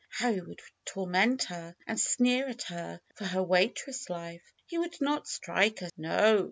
How he would torment her and sneer at her for her waitress life ! He would not strike her — no.